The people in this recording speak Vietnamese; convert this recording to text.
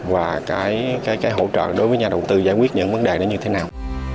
và cái hỗ trợ đối với nhà đầu tư giải quyết những vấn đề đó như thế nào